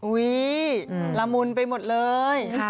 อุ๊ยละมุนไปหมดเลย